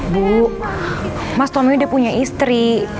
bu mas tommy udah punya istri